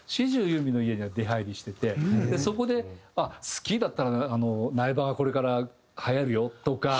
ユーミンの家に出入りしててそこで「スキーだったら苗場がこれからはやるよ」とか。